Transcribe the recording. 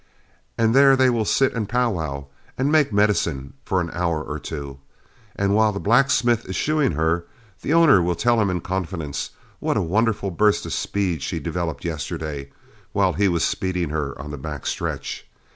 And there they will sit and powwow and make medicine for an hour or two. And while the blacksmith is shoeing her, the owner will tell him in confidence what a wonderful burst of speed she developed yesterday, while he was speeding her on the back stretch.